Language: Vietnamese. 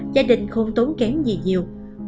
gia đình không tốn kém gì nhiều